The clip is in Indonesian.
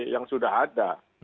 yang sudah ada